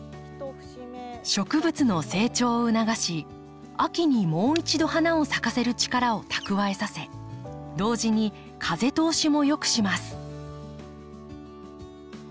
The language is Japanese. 植物の成長を促し秋にもう一度花を咲かせる力を蓄えさせ同時に風通しも良くします。